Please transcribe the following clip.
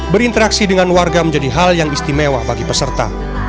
berinteraksi dengan warga menjadi hal yang istimewa bagi peserta